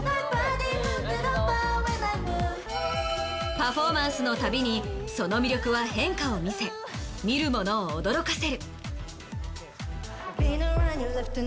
パフォーマンスのたびにその魅力は変化を見せ見る者を驚かせる。